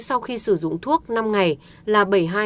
sau khi sử dụng thuốc năm ngày là bảy mươi hai chín mươi ba